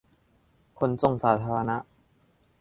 ขนส่งสาธารณะ